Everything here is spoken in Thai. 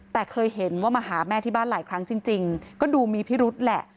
แต่เคยเห็นว่ามาหาแม่ที่บ้านหลายครั้งจริงก็ดูมีพิรุษแหละ